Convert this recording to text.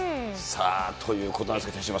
さあ、ということなんですけ